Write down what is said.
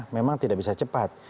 memang tidak bisa cepat